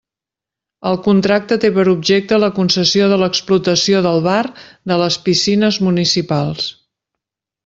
El contracte té per objecte la concessió de l'explotació del bar de les piscines municipals.